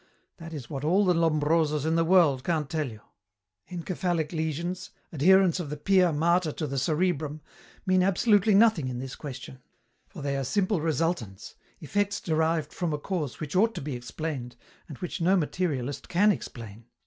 That is what all the Lombrosos in the world can't tell you. Encephalic lesions, adherence of the pia mater to the cerebrum, mean absolutely nothing in this question. For they are simple resultants, effects derived from a cause which ought to be explained, and which no materialist can explain.